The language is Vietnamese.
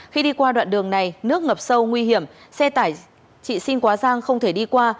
khi đi qua đoạn đường này nước ngập sâu nguy hiểm xe tải chị xin quá giang không thể đi qua